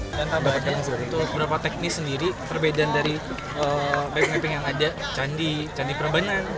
kita tambahkan untuk beberapa teknis sendiri terbeda dari video mapping yang ada candi candi perbanan